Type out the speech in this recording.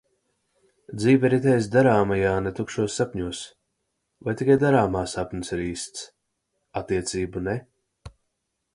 Dzīve ritēs darāmajā, ne tukšos sapņos. Vai tikai darāmā sapnis ir īsts? Attiecību ne?